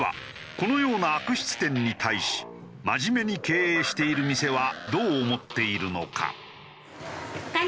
このような悪質店に対し真面目に経営している店はどう思っているのか？